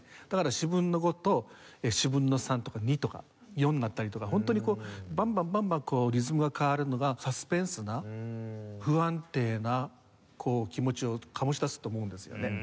だから４分の５と４分の３とか２とか４になったりとか本当にこうバンバンバンバンリズムが変わるのがサスペンスな不安定な気持ちを醸し出すと思うんですよね。